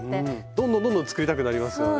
どんどんどんどん作りたくなりますよね。